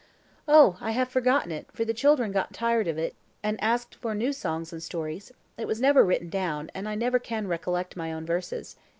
"Oh, I have forgotten it, for the children got tired of it, and asked for new songs and stories; it was never written down, and I never can recollect my own verses.